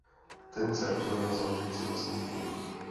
Ten se rozhodne založit si vlastní tým.